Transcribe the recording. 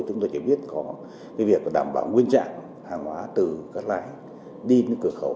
chúng tôi chỉ biết có việc đảm bảo nguyên trạng hàng hóa từ các lái đi những cửa khẩu